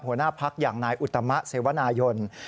หัวหน้าพักอย่างนายอุตมะเสวนายน